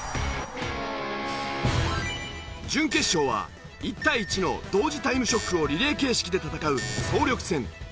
準決勝は１対１の同時タイムショックをリレー形式で戦う総力戦。